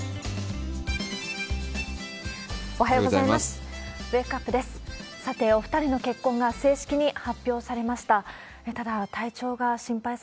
おはようございます。